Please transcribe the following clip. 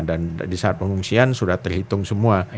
dan di saat pengungsian sudah terhitung semua